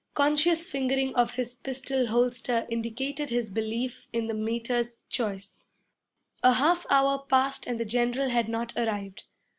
Conscious fingering of his pistol holster indicated his belief in the Meter's choice. A half hour passed and the general had not arrived.